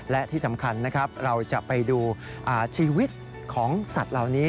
และที่สำคัญนะครับเราจะไปดูชีวิตของสัตว์เหล่านี้